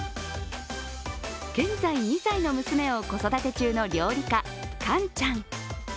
現在２歳の娘を子育て中の料理家・かんちゃん。